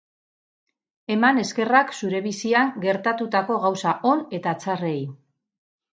Eman eskerrak zure bizian gertatutako gauza on eta txarrei.